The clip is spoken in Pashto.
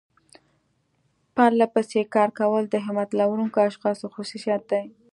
پرلپسې کار کول د همت لرونکو اشخاصو خصوصيت دی.